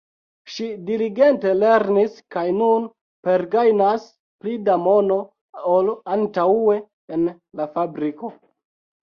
Ŝi diligente lernis kaj nun pergajnas pli da mono ol antaŭe en la fabriko.